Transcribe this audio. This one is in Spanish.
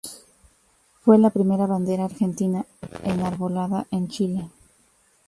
Fue la primera bandera argentina enarbolada en Chile.